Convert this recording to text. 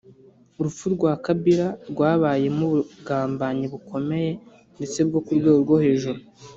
Urupfu rwa Kabila rwabayemo ubugambanyi bukomeye ndetse bwo kurwego rwo hejuru